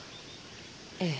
ええ。